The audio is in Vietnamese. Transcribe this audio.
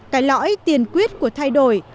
cái lõi tiền quyết của thay đổi